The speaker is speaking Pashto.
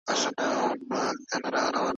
کله به حکومت سفارت په رسمي ډول وڅیړي؟